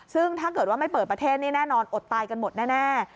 ซึ่งถ้าเกิดว่าไม่เปิดประเทศนี่แน่นอนอดตายกันหมดแน่